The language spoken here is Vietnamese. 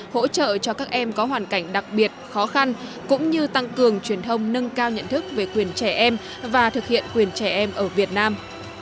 hỗ trợ cho các em có hoàn cảnh đặc biệt khó khăn cũng như tăng cường truyền thông nâng cao nhận thức về quyền trẻ em và thực hiện quyền trẻ em ở việt nam